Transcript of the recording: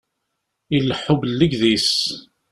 Ileḥḥu bellegdis.